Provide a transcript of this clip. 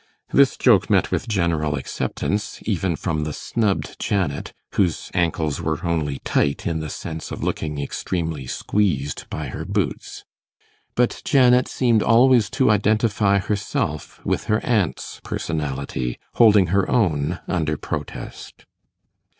This joke met with general acceptance, even from the snubbed Janet, whose ankles were only tight in the sense of looking extremely squeezed by her boots. But Janet seemed always to identify herself with her aunt's personality, holding her own under protest.